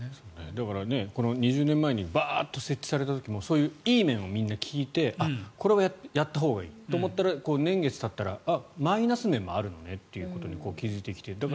だからこの２０年前にバーッと設置された時もそういういい面をみんな聞いてこれはやったほうがいいと思ったら年月がたったらマイナス面もあるのねと気付いてきて。